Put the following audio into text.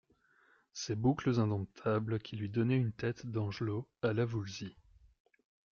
ses boucles indomptables qui lui donnaient une tête d’angelot, à la Voulzy.